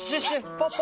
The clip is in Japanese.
ポッポ。